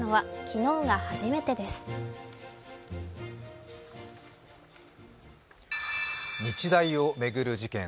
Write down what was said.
日大を巡る事件。